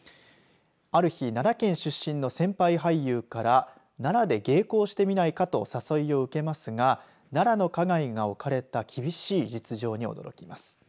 ある日奈良県出身の先輩俳優から奈良で芸妓をしてみないかと誘いを受けますが奈良の花街が置かれた厳しい実情に驚きます。